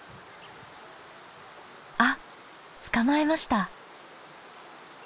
あっ捕まえました。